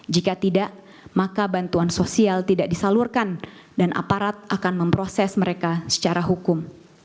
jika tidak maka bantuan sosial tidak disalurkan dan aparat akan memproses mereka secara hukum